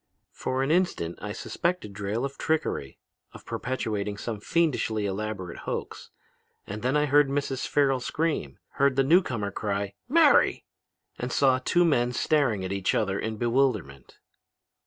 For an instant I suspected Drayle of trickery, of perpetrating some fiendishly elaborate hoax. And then I heard Mrs. Farrel scream, heard the newcomer cry, 'Mary,' and saw two men staring at each other in bewilderment.